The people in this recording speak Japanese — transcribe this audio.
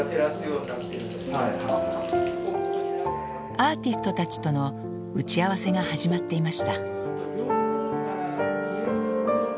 アーティストたちとの打ち合わせが始まっていました。